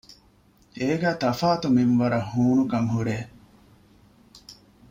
އޭގައި ތަފާތު މިންވަރަށް ހޫނުކަން ހުރޭ